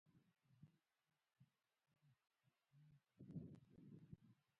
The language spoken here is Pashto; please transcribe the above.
مزارشریف د افغانستان د اجتماعي جوړښت برخه ده.